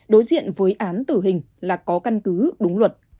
đối diện với án tử hình là có căn cứ đúng luật